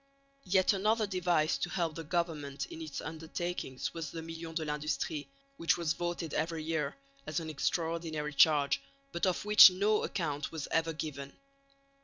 Yet another device to help the government in its undertakings was the million de l'industrie, which was voted every year, as an extraordinary charge, but of which no account was ever given.